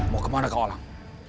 mau kemana kau alang